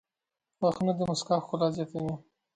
• غاښونه د مسکا ښکلا زیاتوي.